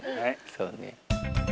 そうね。